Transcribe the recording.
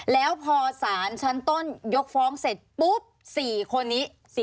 แล้วพอสารชั้นต้นยกฟ้องเสร็จปุ๊บ๔คนนี้